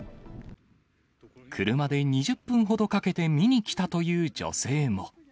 車で２０分ほどかけて見に来たという女性も。